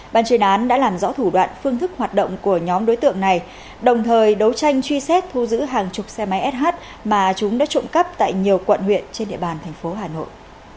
ban chuyên án đã làm rõ thủ đoạn phương thức hoạt động của nhóm đối tượng này đồng thời đấu tranh truy xét thu giữ hàng chục xe máy sh mà chúng đã trộm cắp tại nhiều quận huyện trên địa bàn thành phố hà nội